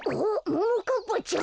ももかっぱちゃん。